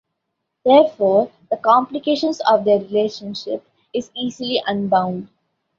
Therefore, the complications of their relationship is easily unbound.